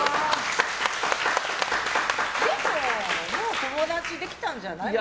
でも、もう友達できたんじゃない？